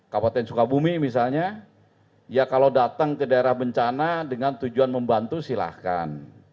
kabupaten sukabumi misalnya ya kalau datang ke daerah bencana dengan tujuan membantu silahkan